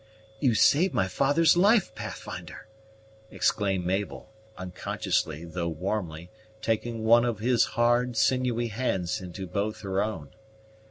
"You saved my father's life, Pathfinder!" exclaimed Mabel, unconsciously, though warmly, taking one of his hard, sinewy hands into both her own.